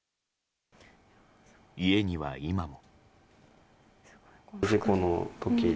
家には今も。